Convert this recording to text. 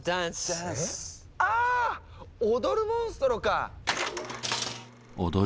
踊るモンストロか！